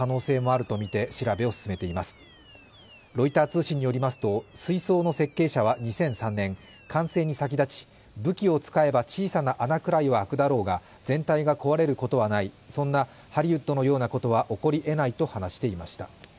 ロイター通信によりますと水槽の設計者は２００３年、完成に先立ち、武器を使えば小さな穴くらいは開くだろうが全体が壊れることはない、そんなハリウッドのようなことは起こりえないと話していました。